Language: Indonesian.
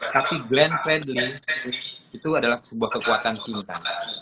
tapi glenn fredly itu adalah sebuah kekuatan cinta